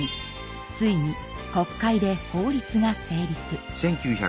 ついに国会で法律が成立。